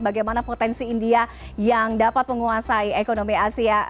bagaimana potensi india yang dapat menguasai ekonomi asia